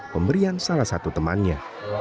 pemberian salah satu temannya